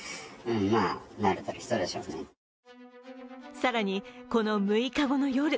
更に、この６日後の夜。